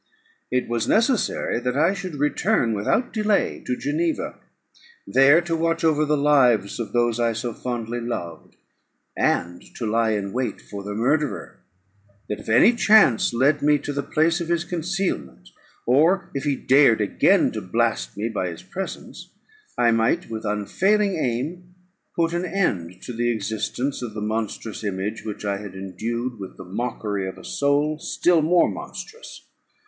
It was necessary that I should return without delay to Geneva, there to watch over the lives of those I so fondly loved; and to lie in wait for the murderer, that if any chance led me to the place of his concealment, or if he dared again to blast me by his presence, I might, with unfailing aim, put an end to the existence of the monstrous Image which I had endued with the mockery of a soul still more monstrous.